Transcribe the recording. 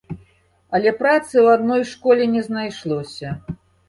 Але працы ў адной школе не знайшлося.